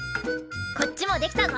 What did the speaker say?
こっちもできたぞ。